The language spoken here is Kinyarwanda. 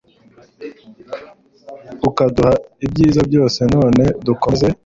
ukaduha ibyiza byose none dukomeze